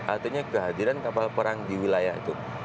artinya kehadiran kapal perang di wilayah itu